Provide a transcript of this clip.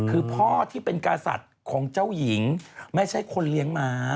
คือพ่อที่เป็นกษัตริย์ของเจ้าหญิงไม่ใช่คนเลี้ยงม้า